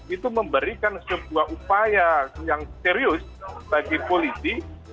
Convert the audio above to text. itu memberikan sebuah upaya yang serius bagi polisi